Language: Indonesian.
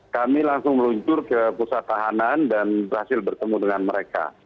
kami langsung meluncur ke pusat tahanan dan berhasil bertemu dengan mereka